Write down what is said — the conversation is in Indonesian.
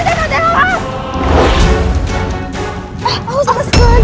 ya allah bagaimana ini